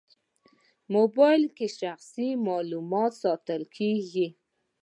موبایل کې شخصي معلومات ساتل کېږي.